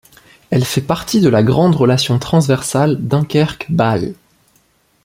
Elle fait partie de la grande relation transversale Dunkerque - Bâle.